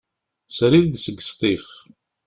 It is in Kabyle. Srid seg Sṭif.